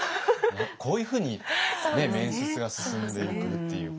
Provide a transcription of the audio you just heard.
こういうふうに面接が進んでいくっていう。